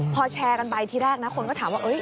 พอแชร์กันไปทีแรกนะคนก็ถามว่า